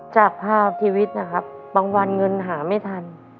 จากภาพชีวิตนะครับบางวันเงินหาไม่ทัน